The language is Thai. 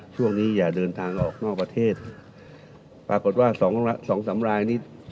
ช่วงนี้อย่าเดินทางออกนอกประเทศปรากฏว่าสองสองสามรายนี้